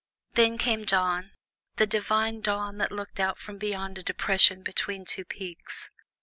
Then came dawn the divine dawn that looked out from beyond a depression between two peaks.